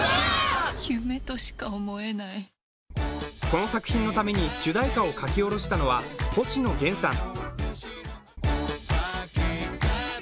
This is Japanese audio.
この作品のために主題歌を書き下ろしたのは星野源さん。